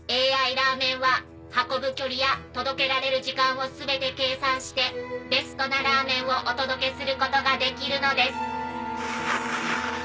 ＡＩラーメンは運ぶ距離や届けられる時間を全て計算してベストなラーメンをお届けすることができるのです。